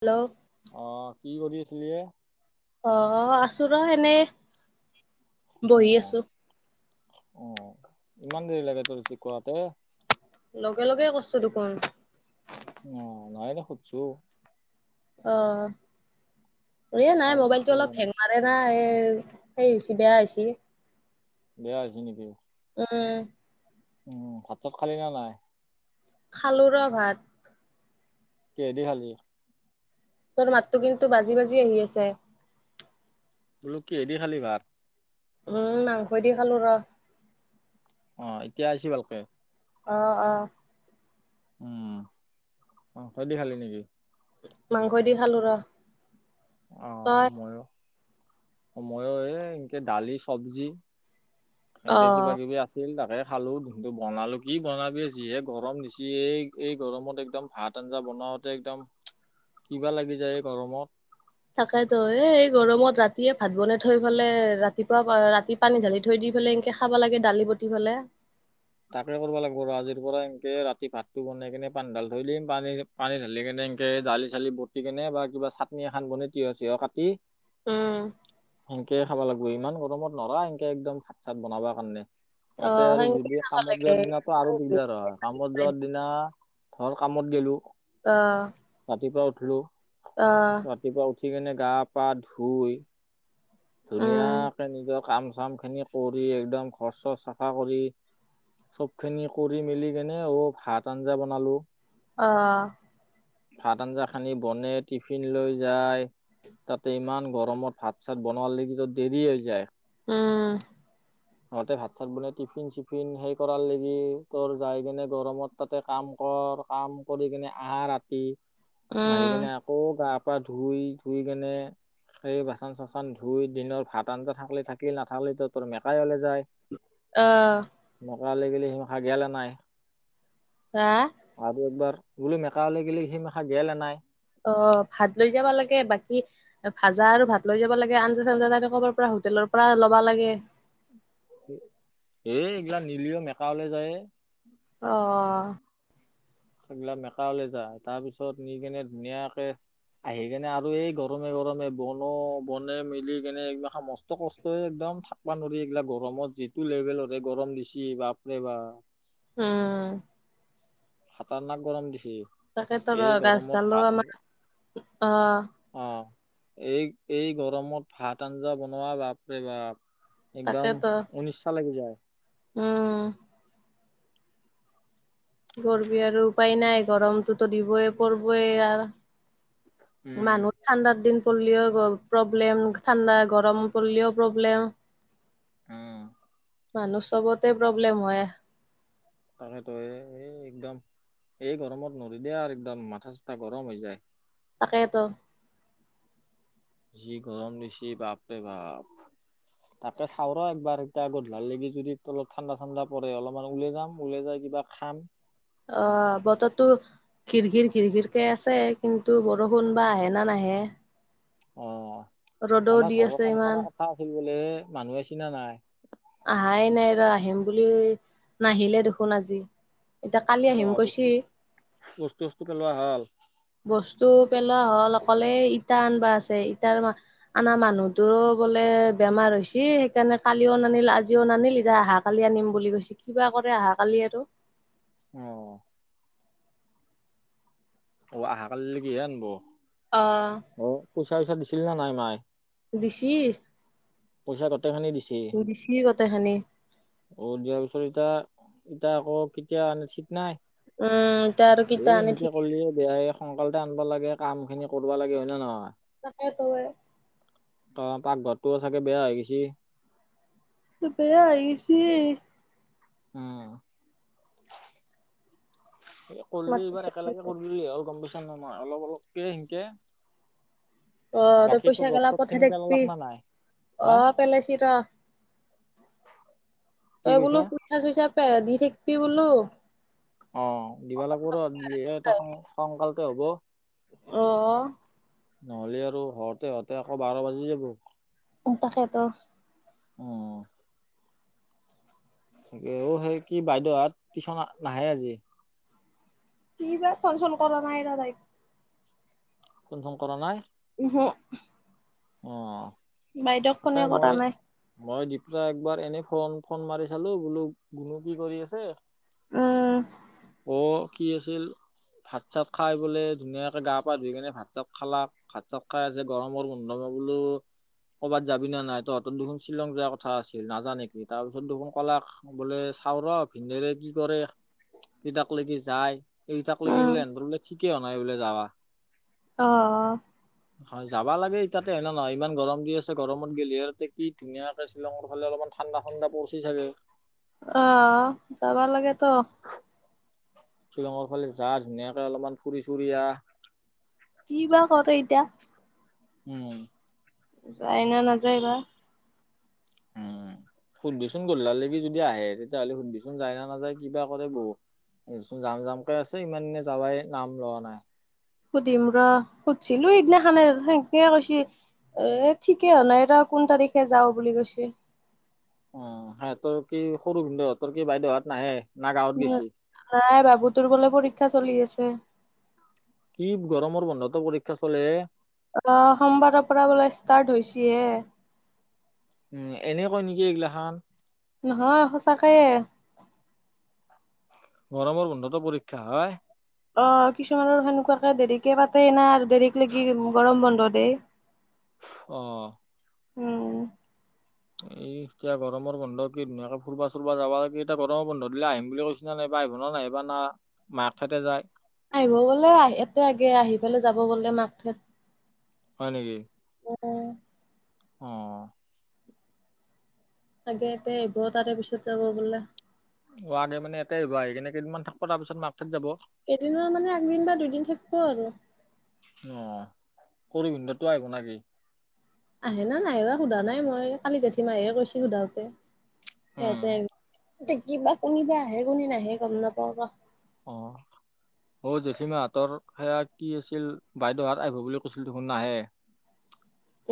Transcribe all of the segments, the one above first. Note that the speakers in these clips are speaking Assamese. হেল্ল'। অহ, কি কৰি আছিলি এই? অহ, আছোঁ ৰ' এনেই। [unintelligible] ইমান দেৰি লাগে তোৰ ৰিচিব কৰোতে। লগে লগে কৰছো দেখোন। অহ, মই এনেই সোধছো। অহ, এ নাই খাই মোবাইলটো অলপ হেং সেইকাৰণে মা হেং মাৰেই না, এ সেই হৈছে বেয়া হৈছে। বেয়া হৈছিল নেকি? উম উম ভাত খালি না নাই খালোৰ ভাত কিহেদি খালি তৰ মাতো কিন্তু বাজি বাজি আহি আছে বোলো কি হেদি খালি ভাত উম মাংস দি খালো ৰ অ এতিয়া আহিছি ভালকে অ অ উম অ তহদি খালি নেকি মাংস দি খালো ৰ অ তই ময়ো ময়ো এই এনেকে দালি চব্জি অ এনেকে কিবা কিবি আছে তেল তাকে খালোঁ ধোনটো বনালোঁ কি বনাবি যিহে গৰম নিচি এই এই গৰমত একদম ভাত আঞ্জা বনাওতে একদম কিবা লাগি যায় এই গৰমত তাকাই তো এ এই গৰমত ৰাতিয়ে ভাত বনাই থৈ ফালে ৰাতিপুৱা ৰাতি পানী ঢালি থৈ দি পেলাই এনকে খাব লাগে দালি বতি পেললে তাকে কৰিব লাগিব ৰ আজিৰ পৰা এনকে ৰাতি ভাতটো বনাই কিনে পানীডাল থৈ দিম পানী পানী ঢালি কেনে এনকে দালি চালি বতিি কেনে বা কিবা চাটনি এখন বন তিঁহ চিঁহ কাটি উম একে খাব লাগিব ইমান গৰমত নৰা এনকে একদম ভাত চাত বনাব কাৰণে অ তাতে সংক খাব লাগে ৰ কামত যোৱাৰ দিনা ধৰ কামত গলো অ ৰাতিপুৱা উঠিলো অ ৰাতিপুৱা উঠি কেনে গা পা ধুই ধুনীয়াকে নিজৰ কাম চাম খিনি কৰি একদম ঘৰ চচ চাফা কৰি চব খিনি কৰি মেলি কেনে অ ভাত আঞ্জা বনালো অ ভাত আঞ্জা খানি বনে টিফিন লৈ যায় তাতে ইমান গৰমত ভাত চাত বনালেকিতো দেৰি হৈ যায় উম সহঁতে ভাত চাত বনাই টিফিন চিফিন সেই কৰা লেগি তোৰ যাই কিনে গৰমত তাতে কাম কৰ কাম কৰি কিনে আহা ৰাতি আহি কেনে আকৌ গা পা ধুই ধুই কেনে সেই বাচন চাচন চান ধুই দিনৰ ভাত আনটাা থাকিলে থাকিল নাথাকিলো তোৰ মেকাই ওলে যায় অ নকৰা লাগি সেই মাখান গেল এনাই হা আৰু একবাৰ বোলো মেকালে গিললে সি মেখা গেলা নাই অ ভাত লৈ যাব লাগে বাকী ভাজা আৰু ভাত লৈ যাব লাগে আঞজা চ আঞ্জা তাইতে ক'বাৰ পৰা হোটেলৰ পৰা লব লাগে এ এইগিলা নিলিও মেকাাৱলে যায় অ সেইবিলাক মেকালে যায় তাৰ পিছত নি কেনে ধুনীয়াকে আহি কেনে আৰু এই গৰমে গৰমে বনো বনে মেলি কেনে এক মস্ত কষ্ট একদম প নৰি এইগিলা গৰমত যিটো লেভেলৰে গৰম দিছেি বাপৰে বা উম হাতাৰ নাক গৰম দিছে তাকেটো ৰ, গাছডালো আমাৰ অ' অ', এই, এই গৰমত ভাত আঞ্জা বনোৱা বাপৰে বাপ। একদম তাকেতো, অনিচ্ছা লাগি যায়। উম। কি কৰ্বি আৰু উপায় নাই, গৰমটোতো দিবই পৰবই আৰ উম মানুহ ঠাণ্ডাৰ দিন পল্লিও প্ৰব্লেম, ঠাণ্ডা, গৰম পল্লিও প্ৰব্লেম। অ'। মানুহ চবতে প্ৰব্লেম হয়। তাকেতো এ, এই একদম, এই গৰমত নৰি দে আৰ একদম। মাথা চাথা গৰম হৈ যায়। তাকেতো। যি গৰম দিছি, বাপৰে বাপ। তাকে চাওঁ ৰ', একবাৰ। ইটা গধলাল লেগি যদি তলত ঠাণ্ডা ঠাণ্ডা পৰে, অলপমান উলে যাম। উলে যাই কিবা খাম। অ', বতৰটো। ঘিৰ, ঘিৰ, ঘিৰ, ঘিৰকে আছে, কিন্তু বৰষুণ বা আহে না নাহে। অ', ৰ'দও আমাৰ দি ঘৰৰ আছে কাম ইমান কৰা কথা আছিল বোলে এ, মানুহে আইছি না নায়? আহাই নাই ৰ', আহিম বুলি নাহিলে দেখোন আজি। এতিয়া কালি আহিম অ', কৈছি বস্তু, বস্তু চস্তু পেলোৱা হ'ল। বস্তু পেলোৱা হ'ল। অকল এ ইটা আনবা আছে। ইটাৰ মা আনা মানুহটোৰো বোলে বেমাৰ হৈছি, সেইকাৰণে, কালিও নানিল আজিও নানিল, ইতা আ কালি আনিম বুলি কৈছি। কিবা কৰে অহাকালি আৰু। অ'। অ', আহা কালিল লেগি হে আনিব। অ', অ', পইচা চইচা দিছিল না নাই মাই? দিছি। পইচা গোটেখিনি দিছি। উ, দিছি গোটেখিনি। অ', দিয়াৰ পিছত ইটা, ইটা আকৌ কিতিয়া ঠিক নাই। উম, ইটা আৰু কিটা আানি ঠিক কলিয়ে বেয়াই, সোনকালতে আনবা লাগে, কাম খিনি কৰবা লাগে। হয় না নহয়? তাকতো এ। ত', পাকঘৰটোও চাগে বেয়া হৈ গৈছি। বেয়া হৈ গেইছি। অ'। কৰিলি এইবাৰ মাতিছে একেলগে দিলে। কৰলিয়ে হ'ল, গম পাইছা না নাই, অলপ অলপকে ই। অ তই বাকী তো পইচা ৰোড গেলা চোদ পঠাই খিনি থাকবি পেললাক না নাই? অ হা? পেলাইছি ৰ তই কি বোলো কৈছা? পইচা চইচা তে দি থাকবি বোলো। অ', দিবা লাগব' ৰহ, দিলিহে এটা সোনকালতে হ'ব। অ', অ'। নহ'লি আৰু হওঁতে হওঁতে আকৌ বাৰ বাজি যাব। তাকেতো। উম, উম। তাকে, অ', সেই কি, বাইদেউ হাত টিউচন নাহে আজি। কি, বা, ফোন চোন কৰা নাই ৰ', তাইক। ফোন চোন কৰা নাই! ওহ। অ', ফোনে তাকে কৰা মই নাই মই দীপৰা একবাৰ এনেই ফোন ফোন মাৰি চালোঁ, বোলো, গুনু কি কৰি আছে। উম অ', কি আছিল? ভাত চাত খাই বোলে ধুনীয়াকে গা পা ধুই কেনে ভাত চাত খালা, ভাত চাত খাই আছে গৰমৰ নম বোলো ক'ৰবাত যাবি নে নাই, তহঁতৰ দেখোন শ্বিলং যোৱাৰ কথা আছিল নাজা নেকি, তাৰপিছত দেখোন ক'লাক বোলে চাওঁ ৰহ ভিনদেউৰে কি কৰে কিতাকলেকে যায়। এইটাকলেকে উম বোলে সেহতঁৰ বোলে ঠিকে নাই বোলে যাবা। অ', অ'। হয়, যাবা লাগে তাতে হয়, নে নহয় ইমান গৰম দি আছে গৰমত গ'লেহ আৰু তাতে কি ধুনীয়াকে শ্বিলংৰ ফালে অলপমান ঠাণ্ডা, ঠাণ্ডা পৰিচি চাগে। অহ, যাবা লাগে তো। শ্বিলঙৰ ফালে যাহ, ধুনীয়াকে অলপমান ফুৰি চুৰি আহ। কি বা কৰে এতিয়া? উম। যায়নে নাযায় বা? উম। সুধবি চোন গধলালেকি যদি আহে, তেতিয়াহ'লে সুধবিচোন যায় না নাযায় কিবা কৰে বহু এইচোন যাম, যামকে আছে ইমান দিনে যাবাই নাম লোৱা নাই। সুধিম ৰহ, সুধিছিলোঁ সেইদিনাখনে সেনেকে কৈছি। এ, ঠিকেই হোৱা নাই ৰ' কোন তাৰিখে যাওঁ বুলি কৈছি। উম, সিহঁতৰ কি সৰু ভিনদেউহতৰ কি বাইদেউহত নাহে, না গাঁৱত গেছি? নাই, বাবুতোৰ বোলে পৰীক্ষা চলি আছে। কি গৰমৰ বন্ধতো পৰীক্ষা চলেহে? অ', সোমবাৰৰ পৰা বোলে ষ্টাৰ্টছ হৈছে এ। উম, এনে কয় নেকি এইগিলাখান! নহয়, সঁচাকয়ে। গৰমৰ বন্ধতটো পৰীক্ষা হয়! অ', কিছুমানৰ সেনেকুৱাকে দেৰিকে পাতে না আৰু দেৰিক লে কি গৰম বন্ধ দেই। অ'। উম। এই এতিয়া গৰমৰ বন্ধ কি ধুনিয়াকে ফুুৰবা চুৰবা যাবা লাগে, এতিয়া গৰমৰ বন্ধ দিলে আহিম বুলি কৈ [inaudible] আহিব গ'লে আহ এতিয়া আগে আহি পেলাই যাব গ'লে মাকত হয় নেকি? উম। উম। আগে এতিয়া আহিব, তাৰেপিছত যাব বোলে। অ', আগে মানে ইয়াতে আহিব, আহি কিনে কেইদিনমান থাকিব তাৰপিছত মাক [unintelligible] যাব। কেদিনৰ মানে একদিন বা দুদিন থাকিব আৰু! অ', সৰু ভিনদতো আহিব নাকি? আহে নে নাহে সোধা নাই মই, কালি জেঠীমাই কৈছিল [unintelligible] উম সিহঁতে কিবা কোনবা আহে, কোনে নাহে গম নাপাওঁ ৰহ। অ'। অ', জেঠীমা হাতৰ সেয়া কি আছিল বাইদেউহত আহিব বুলি কৈছিল দেখোন নাহে?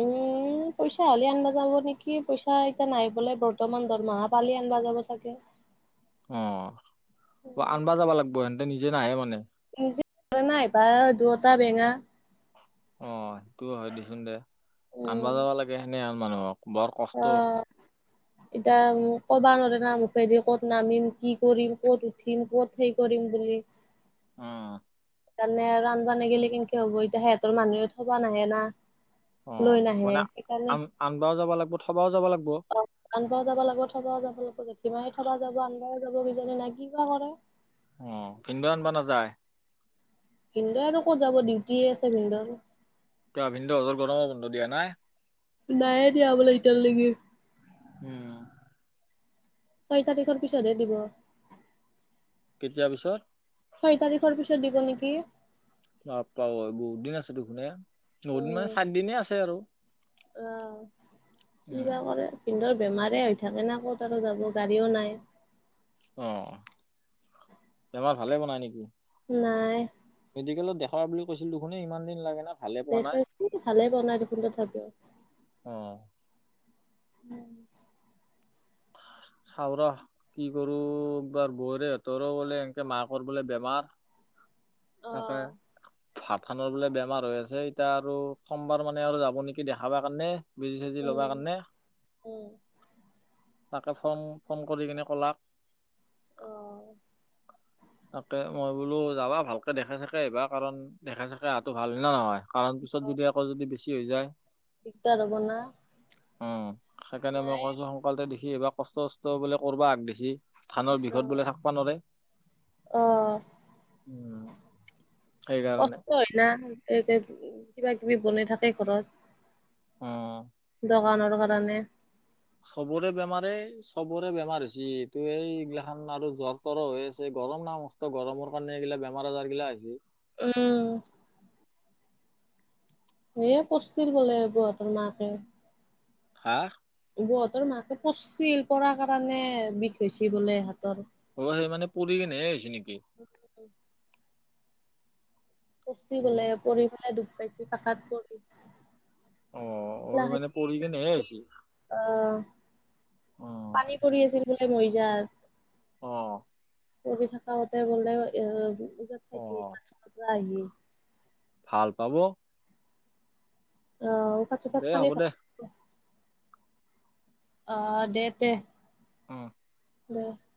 উম পইচা হ'লে আনবা যাব নেকি? পইচা এতিয়া নাই বোলে বৰ্তমান, দৰমহা পালে আনবা যাব চাগে। অ', আনবা যাবা লাগিব, সিহঁতে নিজে নাহে মানে? নিজে নোৱাৰে না আহিবা দুওটা বেঙা। অ', সেইটোও হয়, দে চোন দে, আনবা উম যাবা লাগে সেনে হেন মানুহক। বৰ কষ্ট অ'। [inaudible] এতিয়া কবা নোৱাৰ নামফেদি ক'ত নামিম কি কৰিম ক'ত উঠিম ক'ত সেই কৰিম বুলি। অ' তাৰমানে আৰু ৰান্ধবে গিললে কেনেকে হ'ব এতিয়া সিহঁতৰ মানুহে থবা নাহে না। লৈ নাহে সেইকাৰণে। আনবাৰও যাব লাগিব থবাও যাব লাগিব। আনবাওঁ যাব লাগিব থবাও যাব লাগিব জেঠি মাৰ থবা যাব আনবাওঁ যাব কিজানি নাই কি বা কৰে। অ', কিনিব জনিবা নাযায়। ভিন্দ আৰু ক'ত যাব ডিউটিয়ে আছে ভিনন্দৰ ভিনন্দ হঁতৰ গৰমৰ বন্ধ দিয়া নাই। নাই এতিয়া বলেৰ ইটাৰ লেকি উম। ছয় তাৰিখৰ পিছতহে দিব কেতিয়া পিছত ছয় তাৰিখৰ পিছত দিব নেকি। বাপ পাঐ বহুত দিন আছে দেখুনে নদিন মানে উম চাত দিনে আছে আৰু। আহ কি বা উম কৰে। কিন্তুৰ বেমাৰে হৈ থাকে ন ক'ত আৰু জানো গাড়ীও নাই। অ', বেমাৰ ভালে পোৱা নাই নেকি। নাই। মেডিকেলত দেখুৱা বুলি কৈছিলো দেখনে ইমান দিন লাগে না। ভালে পোৱা দেখ নাই। ভালেই বনাই দেখোন তথাপিও। অ'। [inaudible] খাওঁৰ। কি কৰোবাৰ বৌৰে সঁতৰ বোলে এনেকে মাকৰ বোলে বেমাৰ অ তাকে। ভাত খানৰ বোলে বেমাৰ হৈ আছে এতিয়া আৰু সোমবাৰ মানে আৰু যাব নেকি দেখাবা কাৰণে। বেজি চেজি ল'বা উম কাৰণে উম তাকে ফৰ্ম ফৰ্ম কৰি কিনে ক'লাক। অ' তাকে মই বোলো যাবা ভালকে দেখে চাকে আহবা কাৰণ দেখে চাকে অহাটো ভাল হৈ না নহয়। কাৰণ পিছত যদি আকৌ যদি বেছি হৈ যায়। দিগদাৰ হব না। উম সেইকাৰণে মই মায়ে কৈছো সোনকালতে দেখি এইবাৰ কষ্ট চষ্ট বোলে কবা হাগ দিছি থানৰ বিষত বোলে থাকিবা নোৱাৰে আহ, উম, সেইকাৰণে কষ্ট হয় না এই যে, কিবা কিবি বনাই থাকে ঘৰত। অ' দোকানৰ কাৰণে চবৰে বেমাৰে চবৰে বেমাৰ হৈছে। এইটো এই এইগিলাখান আৰু জ্বৰ তৰ হৈ আছে গৰম ন গৰমৰ কাৰণে এইগিলা বেমাৰ আজাৰ গিলা আহিচে উম এয় কছিল গলে বুৰাতৰ মাকে হা বহঁতৰ মাকে পৰিছিল পঢ়াৰ কাৰণে বিষ হৈ হৈছে বোলে হাতত অ', সেই মানে পৰি কিনে হৈছে নেকি? পচি বোলে অ, পৰি পেলাই দুখ পাইছে পাকাত পৰি। অ', ঐ মানে পৰি কিনেহে হৈছে। অ', অ, পানী পৰি আছিল বোলে মৰিজাত। অ' কৰি থাকতে গলে এ ওজত অ, খাইছে ত আহি [unintelligible] ভাল পাব্ অফাত চফাত দে খালে হ'ব পা [unintelligible] দে [unintelligible] অ' দে তে। অঁ। ব [unintelligible]